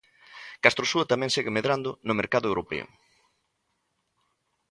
Castrosua tamén segue medrando no mercado europeo.